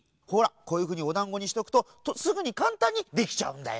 こういうふうにおだんごにしとくとすぐにかんたんにできちゃうんだよ。